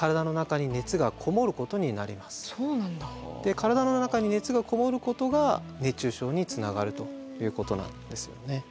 体の中に熱がこもることが熱中症につながるということなんですよね。